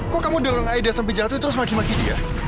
kok kamu denger aida sampai jatuh terus maki maki dia